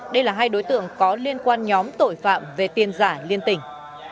đây là hai đối tượng có liên quan nhóm tội phạm về tiền giả liên tỉnh